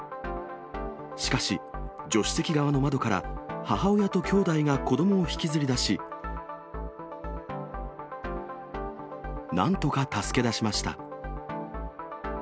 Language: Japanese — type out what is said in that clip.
しかし、助手席側の窓から母親ときょうだいが子どもを引きずり出し、なんとか助け出しました。